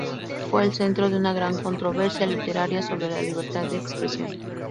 Fue el centro de una gran controversia literaria sobre la libertad de expresión.